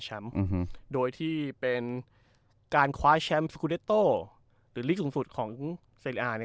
แชมพ์อื้อหึโดยที่เป็นการคว้าหรือลิสต์สูงสุดของเนี้ย